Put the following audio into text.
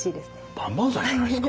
万々歳じゃないですか。